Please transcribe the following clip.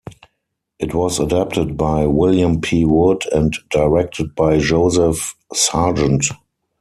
It was adapted by William P. Wood and directed by Joseph Sargent.